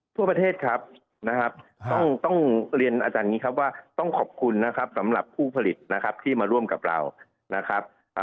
ทั่วประเทศครับนะครับต้องเรียนอาจารย์อย่างนี้ครับว่าต้องขอบคุณนะครับสำหรับผู้ผลิตนะครับที่มาร่วมกับเรานะครับ